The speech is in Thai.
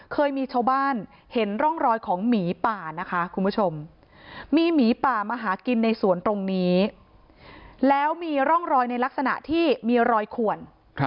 เคยมีชาวบ้านเห็นร่องรอยของหมีป่านะคะคุณผู้ชมมีหมีป่ามาหากินในสวนตรงนี้แล้วมีร่องรอยในลักษณะที่มีรอยขวน